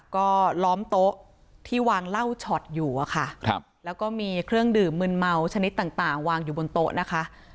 ก็ล้อมโต๊ะที่วางเหล้าช็อตอยู่อะค่ะแล้วก็มีเครื่องดื่มมืนเมาชนิดต่างวางอยู่บนโต๊ะนะคะ